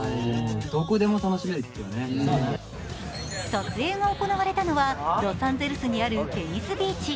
撮影が行われたのはロサンゼルスにあるベニスビーチ。